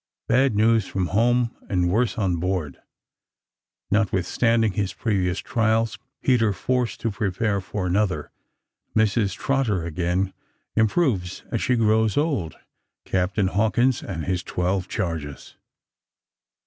BAD NEWS FROM HOME, AND WORSE ON BOARD NOTWITHSTANDING HIS PREVIOUS TRIALS, PETER FORCED TO PREPARE FOR ANOTHER MRS. TROTTER AGAIN; IMPROVES AS SHE GROWS OLD CAPTAIN HAWKINS AND HIS TWELVE CHARGES.